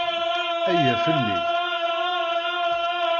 Aya fell-i?